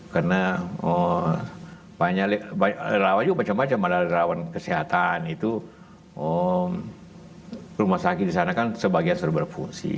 karena relawan juga macam macam malah relawan kesehatan itu rumah sakit di sana kan sebagian sudah berfungsi